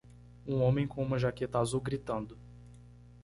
Um homem com uma jaqueta azul gritando.